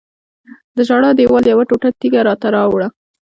د ژړا دیوال یوه ټوټه تیږه راته راوړه.